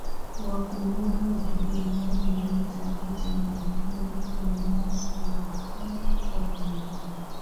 Wakoloni wa Kijerumani waliita Vita ya Majimaji kuwa ni uasi wa Majimaji au Majimaji